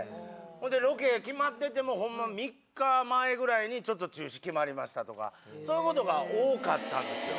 ロケが決まっててもホンマ３日前ぐらいにちょっと中止決まりましたとかそういうことが多かったんですよ。